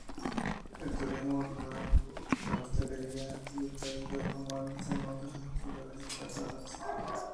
El turismo rural, la hostelería y el taller de automóvil son otras actividades destacadas.